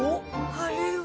あれは。